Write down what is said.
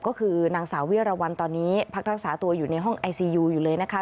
ก็คือนางสาวเวียรวรรณตอนนี้พักรักษาตัวอยู่ในห้องไอซียูอยู่เลยนะคะ